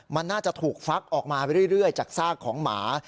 มันน่าจะถูกฟักออกมาเรื่อยจากซากของหมา